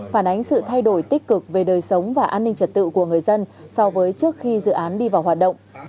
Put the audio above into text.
phản ánh sự thay đổi tích cực về đời sống và an ninh trật tự của người dân so với trước khi dự án đi vào hoạt động